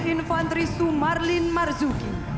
infantri sumarlin marzuki